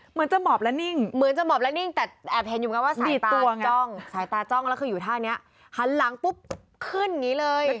เหมือนจะหมอบและนิ่งดีตรวงันสายตาจ้องแล้วอยู่ท่านี้หันหลังปุ๊บขึ้นอย่างนี้เลย